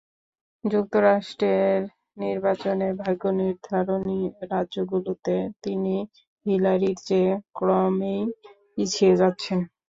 যুক্তরাষ্ট্রের নির্বাচনে ভাগ্য নির্ধারণী রাজ্যগুলোতে তিনি হিলারির চেয়ে ক্রমেই পিছিয়ে যাচ্ছেন।